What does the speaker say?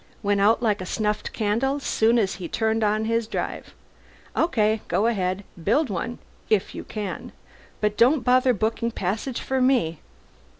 Went out like a snuffed candle, soon as he turned on his drive. Okay, go ahead and build one if you can. But don't bother booking passage for me."